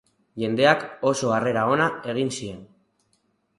Jendeak oso harrera ona egin zien.